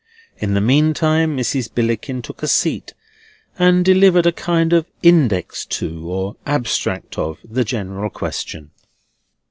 In the meantime Mrs. Billickin took a seat, and delivered a kind of Index to, or Abstract of, the general question.